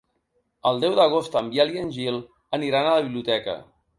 El deu d'agost en Biel i en Gil aniran a la biblioteca.